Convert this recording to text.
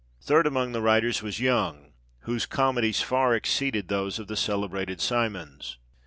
Third among the writers was Young, " whose comedies far exceeded those of the celebrated Symonds."